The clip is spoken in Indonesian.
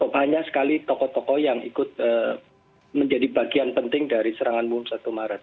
banyak sekali tokoh tokoh yang ikut menjadi bagian penting dari serangan umum satu maret